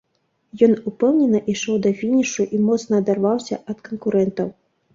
Ён упэўнена ішоў да фінішу і моцна адарваўся ад канкурэнтаў.